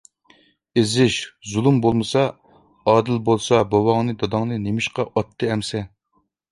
-ئېزىش، زۇلۇم بولمىسا، ئادىل بولسا، بوۋاڭنى، داداڭنى نېمىشقا ئاتتى ئەمىسە؟